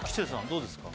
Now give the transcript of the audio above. どうですか？